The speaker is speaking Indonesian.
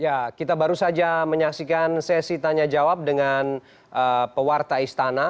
ya kita baru saja menyaksikan sesi tanya jawab dengan pewarta istana